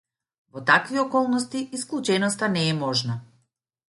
Во такви околности исклученоста не е можна.